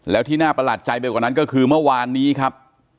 แล้วที่น่าประหลาดใจไปกว่านั้นก็คือเมื่อวานนี้ครับ